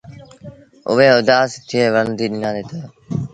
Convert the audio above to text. اُئي اُدآس ٿئي ورنديٚ ڏنآندي تا۔